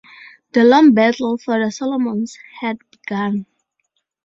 The long battle for the Solomons had begun.